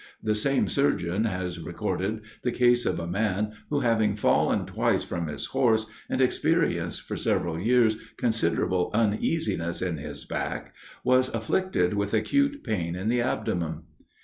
The same surgeon has recorded the case of a man who, having fallen twice from his horse, and experienced for several years considerable uneasiness in his back, was afflicted with acute pain in the abdomen.